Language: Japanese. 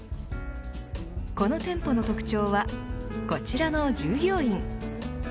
この店舗の特徴はこちらの従業員。